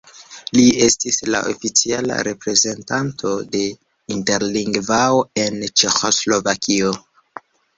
Il estis la oficiala reprezentanto de Interlingvao en Ĉeĥoslovakio.